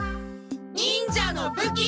「忍者の武器」。